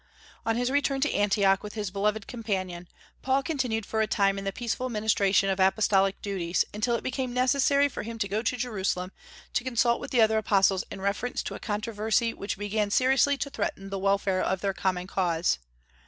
On his return to Antioch with his beloved companion, Paul continued for a time in the peaceful ministration of apostolic duties, until it became necessary for him to go to Jerusalem to consult with the other apostles in reference to a controversy which began seriously to threaten the welfare of their common cause.